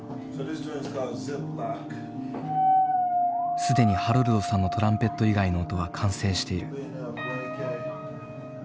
既にハロルドさんのトランペット以外の音は完成している。